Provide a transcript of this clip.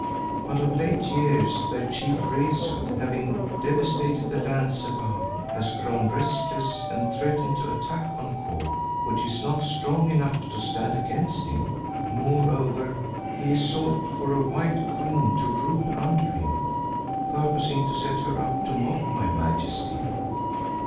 But of late years their chief Rezu, having devastated the lands about, has grown restless and threatened attack on Kôr, which is not strong enough to stand against him. Moreover he has sought for a white queen to rule under him, purposing to set her up to mock my majesty."